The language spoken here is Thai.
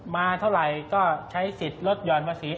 มาเท่าไหร่ก็ใช้สิทธิ์ลดหย่อนภาษี